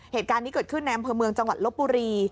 เหตุการณ์นี้เกิดขึ้นในอำเภอเมืองจังหวัดลบบุรี